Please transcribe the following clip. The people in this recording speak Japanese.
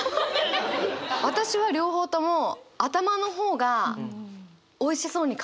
私は両方とも頭の方がおいしそうに感じるんですよ。